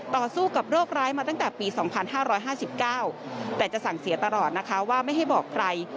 ต่อสู้กับโรคร้ายมาตั้งแต่ปี๒๕๕๙แต่จะสั่งเสียตลอดนะคะว่าไม่ให้บอกใคร